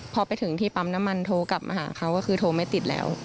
พอไปถึงที่ปั๊มน้ำมันโทรกลับมาหาเขาก็คือโทรไม่ติดแล้ว